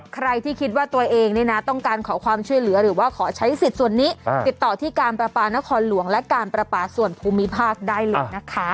ใครที่คิดว่าตัวเองเนี่ยนะต้องการขอความช่วยเหลือหรือว่าขอใช้สิทธิ์ส่วนนี้ติดต่อที่การประปานครหลวงและการประปาส่วนภูมิภาคได้เลยนะคะ